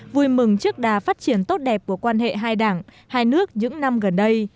vui mừng trước đà phát triển tốt đẹp của quan hệ hai đảng hai nước những năm gần đây